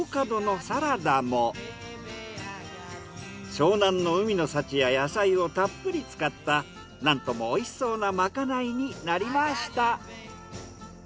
湘南の海の幸や野菜をたっぷり使ったなんとも美味しそうなまかないになりました。